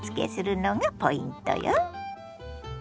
のがポイントよ。